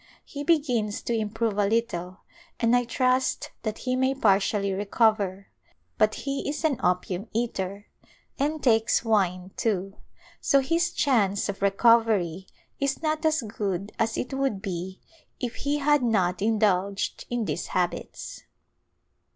He begins to im prove a little and I trust that he may partially recover, but he is an opium eater and takes wine, too, so his chance of recovery is not as good as it would be if he had not indulged in these habits.